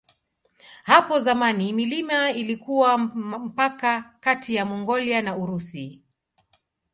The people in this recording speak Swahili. Hapo zamani milima ilikuwa mpaka kati ya Mongolia na Urusi.